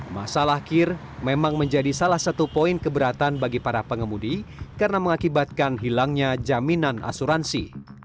masalah kir memang menjadi salah satu poin keberatan bagi para pengemudi karena mengakibatkan hilangnya jaminan asuransi